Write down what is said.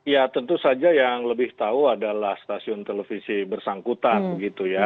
ya tentu saja yang lebih tahu adalah stasiun televisi bersangkutan begitu ya